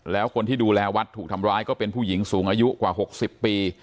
แล้วคนที่ดูแลวัดถูกทำร้ายก็เป็นผู้หญิงสูงอายุกว่า๖๐ปี